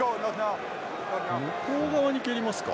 向こう側に蹴りますか。